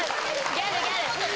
ギャルギャル。